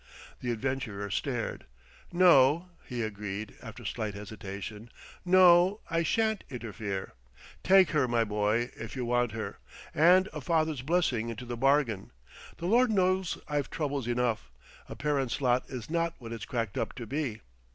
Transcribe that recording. The adventurer stared. "No," he agreed, after slight hesitation; "no, I shan't interfere. Take her, my boy, if you want her and a father's blessing into the bargain. The Lord knows I've troubles enough; a parent's lot is not what it's cracked up to be."